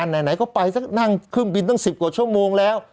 อเยอรมันไหนก็ไปนั่งครึ่งบินตั้ง๑๐กว่าชั่วโมงแล้ว